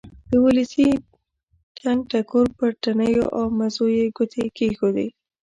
د ولسي ټنګ ټکور پر تڼیو او مزو یې ګوتې کېښودې.